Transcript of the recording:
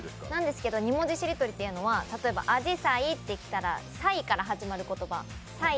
２文字しりとりというのは、例えば「あじさい」と来たら「さい」から始まる言葉。